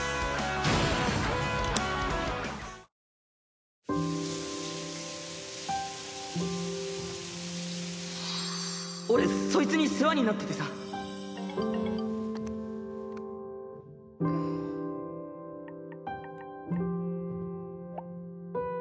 サァーー俺そいつに世話になっててさんっ。